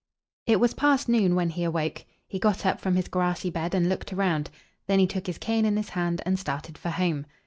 It was past noon when he awoke. He got up from his grassy bed, and looked around. Then he took his cane in his hand, and started for home.